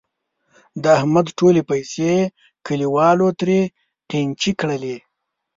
د احمد ټولې پیسې کلیوالو ترې قېنچي کړلې.